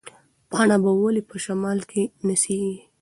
پاڼه به ولې په شمال کې نڅېږي؟